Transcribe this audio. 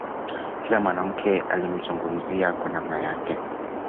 Kila mwanamke alimzungumzia kwa namna yake